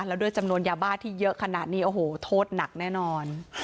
แล้วด้วยจำนวนยาบ้าที่เยอะขนาดนี้โอ้โหโทษหนักแน่นอน